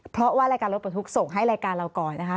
เพราะว่ารายการรถปลดทุกข์ส่งให้รายการเราก่อนนะคะ